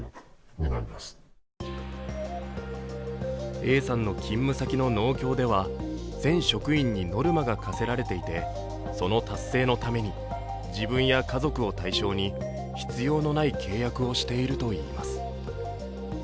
Ａさんの勤務先の農協では全職員にノルマが課せられていてその達成のために自分や家族を対象に必要のない契約をしているといいます。